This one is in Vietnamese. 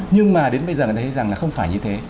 nhưng mà đến bây giờ người ta thấy rằng là không phải như thế